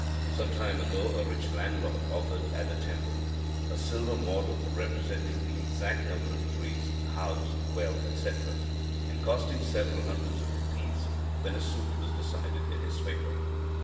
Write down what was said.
Some time ago, a rich landlord offered at the temple a silver model representing the exact number of trees, house, well, etc., and costing several hundreds of rupees, when a suit was decided in his favour.